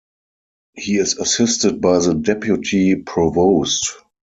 He is assisted by the Deputy Provost.